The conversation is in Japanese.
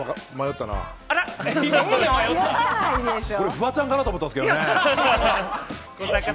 俺、フワちゃんかなと思ったんですけどね。